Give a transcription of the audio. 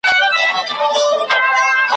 په قیوم باندې که هر څه نوم بدل ږدي